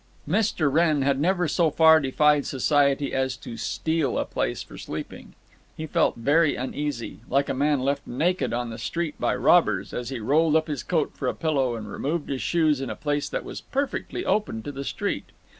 Mr. Wrenn had never so far defied society as to steal a place for sleeping. He felt very uneasy, like a man left naked on the street by robbers, as he rolled up his coat for a pillow and removed his shoes in a place that was perfectly open to the street.